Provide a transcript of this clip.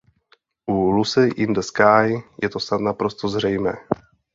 U "Lucy in the Sky" je to snad naprosto zřejmé.